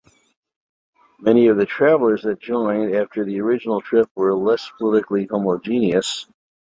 Many of the travelers that joined after the original trip were less politically homogeneous.